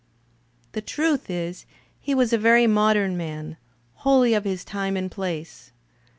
The truth is he was a very modem man, wholly of his time and place.